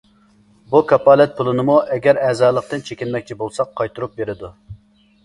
بۇ كاپالەت پۇلىنىمۇ ئەگەر ئەزالىقتىن چېكىنمەكچى بولساق، قايتۇرۇپ بېرىدۇ.